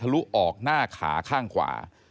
ลุออกหน้าขาข้างขวา